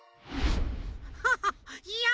ハハッいや